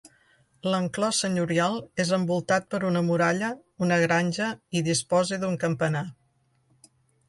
L'enclòs senyorial és envoltat per una muralla, una granja i disposa d'un campanar.